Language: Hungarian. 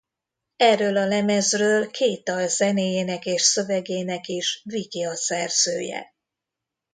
Erről a lemezről két dal zenéjének és szövegének is Viki a szerzője.